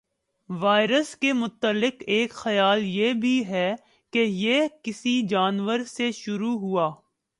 virus کے متعلق ایک خیال یہ بھی ہے کہ یہ کسی جانور سے شروع ہوا